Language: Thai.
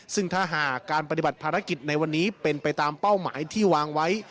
ซึ่งถ้าหากการปฏิบัติภารกิจในวันนี้เป็นไปตามเป้าหมายที่วางไว้